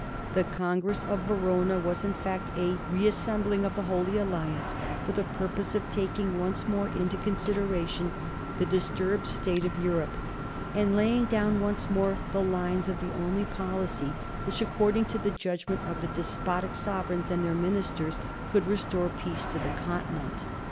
The Congress of Verona was in fact a reassembling of the Holy Alliance for the purpose of taking once more into consideration the disturbed state of Europe, and laying down once more the lines of the only policy which, according to the judgment of the despotic sovereigns and their ministers, could restore peace to the Continent.